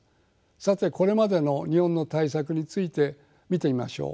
さてこれまでの日本の対策について見てみましょう。